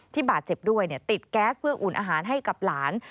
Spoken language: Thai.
บาดเจ็บด้วยติดแก๊สเพื่ออุ่นอาหารให้กับหลาน